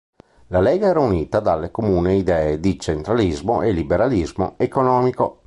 La lega era unita dalle comuni idee di centralismo e liberalismo economico.